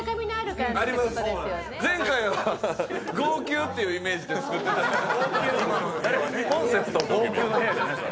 前回は号泣ってイメージで作ってたから。